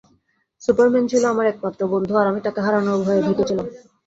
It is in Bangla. সুপারম্যান ছিল আমার একমাত্র বন্ধু আর আমি তাকে হারানোর ভয়ে ভীত ছিলাম।